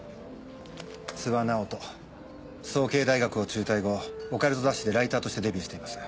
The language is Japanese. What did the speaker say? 諏訪直人早慶大学を中退後オカルト雑誌でライターとしてデビューしています。